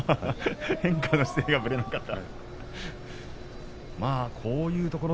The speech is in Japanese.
変化の姿勢がぶれなかった。